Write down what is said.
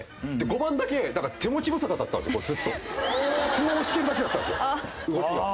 こうしてるだけだったんですよ動きが。